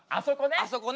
あそこね。